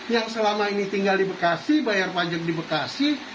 yang selama ini tinggal di bekasi bayar pajak di bekasi